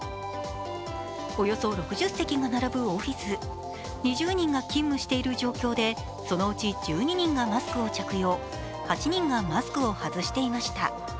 およそ６０席が並ぶオフィス、２０人が勤務をしている状況でそのうち１２人がマスクを着用、８人がマスクを外していました。